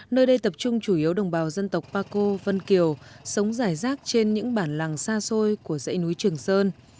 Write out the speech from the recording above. nơi đây tập trung chủ yếu đồng bào dân tộc paco vân kiều sống rải rác trên những bản làng xa xôi của dãy núi trường sơn